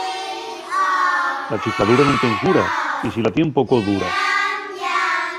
La chifladura nun tien cura, y si la tien poco dura.